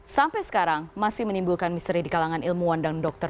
sampai sekarang masih menimbulkan misteri di kalangan ilmuwan dan dokter